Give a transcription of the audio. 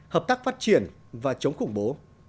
hợp tác phát triển và chống khủng bố